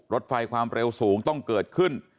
รถไฟความเร็วสูงต้องเกิดขึ้น